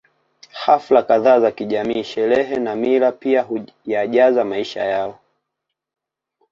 Hafla kadhaa za kijamii sherehe na mila pia huyajaza maisha yao